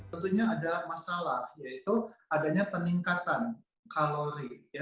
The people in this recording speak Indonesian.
tentunya ada masalah yaitu adanya peningkatan kalori